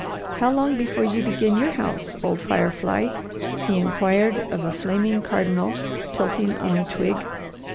How long before you begin your house, old fire fly?" he inquired of a flaming cardinal tilting on a twig.